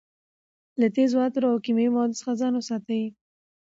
له ډېرو تېزو عطرو او کیمیاوي موادو څخه ځان وساتئ.